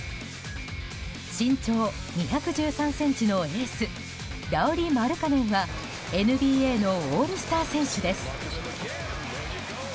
身長２１３ｃｍのエースラウリ・マルカネンはＮＢＡのオールスター選手です。